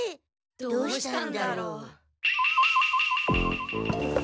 どうしたんだろう？